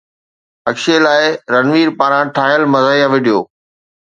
اڪشي لاءِ رنوير پاران ٺاهيل مزاحيه وڊيو